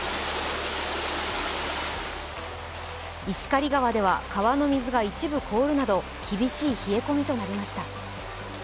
石狩川では川の水が一部凍るなど厳しい冷え込みとなりました。